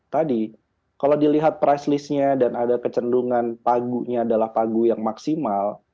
tadi kalau dilihat price listnya dan ada kecendungan pagunya adalah pagu yang maksimal